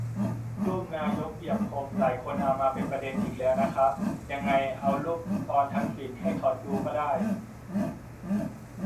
รูปนายกเหยียบพรมหลายคนเอามาเป็นประเด็นอีกแล้วนะครับ ยังไงเอารูปตอนอภิสิทธิ์ให้เค้าดูก็ได้